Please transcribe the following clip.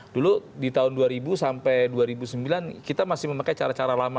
dulu di tahun dua ribu sampai dua ribu sembilan kita masih memakai cara cara lama